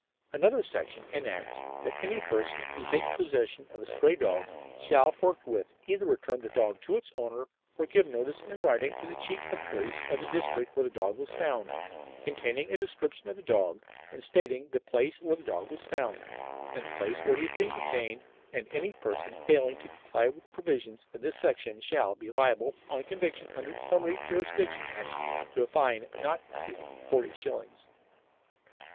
Another section enacts that any person who takes possession of a stray dog shall forthwith either return the dog to its owner or give notice in writing to the chief officer of police of the district where the dog was found, containing a description of the dog and stating the place where the dog was found, and the place where he is being detained, and any person failing to comply with the provisions of this section shall be liable on conviction under the Summary Jurisdiction Acts to a fine not exceeding forty shillings.